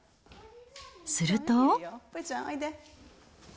すると。